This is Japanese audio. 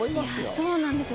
そうなんですよ。